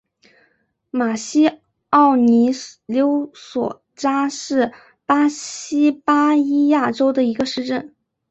马西奥尼柳索扎是巴西巴伊亚州的一个市镇。